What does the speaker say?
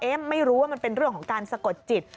ไม่รู้ว่ามันเป็นเรื่องของการสะกดจิต